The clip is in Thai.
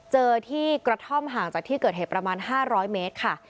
เจอที่กระท่อมห่างจากที่เกิดเหตุประมาณ๕๐๐เมตรค่ะ